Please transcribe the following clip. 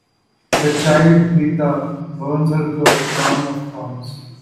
The child, Rita, burns her crown of thorns.